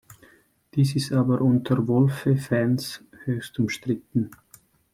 Dies ist aber unter Wolfe-Fans höchst umstritten.